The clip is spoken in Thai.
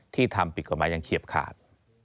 ที่ทำปิดก่อไม้ยังเฉียบขาด